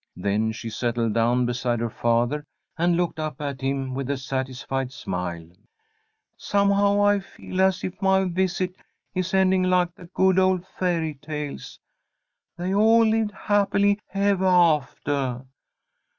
Then she settled down beside her father, and looked up at him with a satisfied smile. "Somehow I feel as if my visit is ending like the good old fairy tales 'They all lived happily evah aftah.'